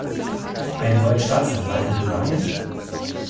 Einen neuen Staatsanwalt in Bulgarien?